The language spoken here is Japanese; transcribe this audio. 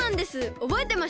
おぼえてました？